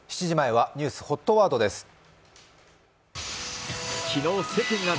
７時前はニュースＨＯＴワードです。